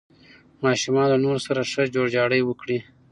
ماشومان له نورو سره ښه جوړجاړی وکړي.